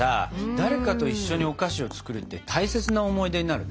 誰かと一緒にお菓子を作るって大切な思い出になるね！